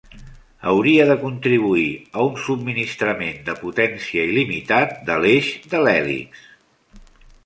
Hauria de contribuir a un subministrament de potència il·limitat de l'eix de l'hèlix.